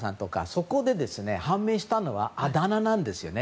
そこで判明したのはあだ名なんですね。